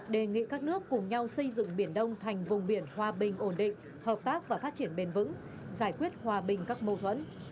đề nghị các nước cùng nhau xây dựng biển đông thành vùng biển hòa bình ổn định hợp tác và phát triển bền vững giải quyết hòa bình các mâu thuẫn